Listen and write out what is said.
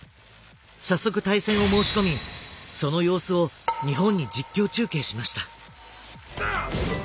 早速対戦を申し込みその様子を日本に実況中継しました。